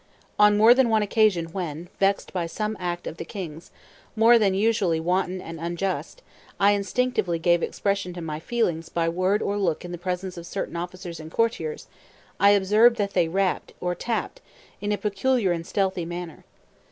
On more than one occasion when, vexed by some act of the king's, more than usually wanton and unjust, I instinctively gave expression to my feelings by word or look in the presence of certain officers and courtiers, I observed that they rapped, or tapped, in a peculiar and stealthy manner.